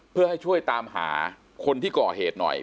เพื่อให้ช่วยตามหาคนที่ก่อเหตุหน่อย